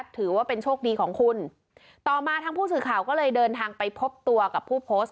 ถือว่าเป็นโชคดีของคุณต่อมาทางผู้สื่อข่าวก็เลยเดินทางไปพบตัวกับผู้โพสต์